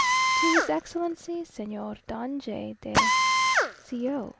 To His Excellency, Señor Don J.